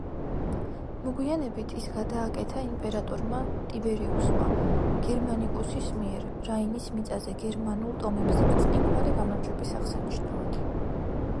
მოგვიანებით ის გადააკეთა იმპერატორმა ტიბერიუსმა გერმანიკუსის მიერ რაინის მიწაზე გერმანულ ტომებზე ბრწყინვალე გამარჯვების აღსანიშნავად.